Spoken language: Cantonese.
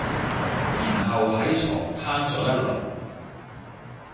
然後喺床攤咗一輪